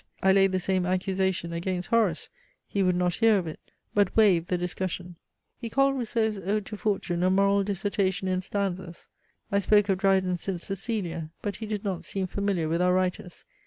I laid the same accusation against Horace: he would not hear of it but waived the discussion. He called Rousseau's ODE TO FORTUNE a moral dissertation in stanzas. I spoke of Dryden's ST. CECILIA; but he did not seem familiar with our writers.